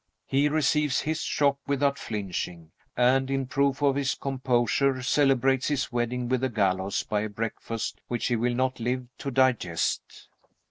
He receives his shock without flinching; and, in proof of his composure, celebrates his wedding with the gallows by a breakfast which he will not live to digest.